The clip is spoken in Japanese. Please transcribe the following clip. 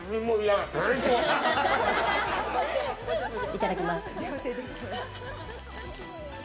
いただきます。